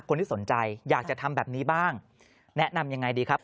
คนที่สนใจอยากจะทำแบบนี้บ้างแนะนำยังไงดีครับ